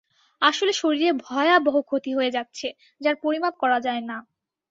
আসলে শরীরে ভয়াবহ ক্ষতি হয়ে যাচ্ছে, যার পরিমাপ করা যায় না।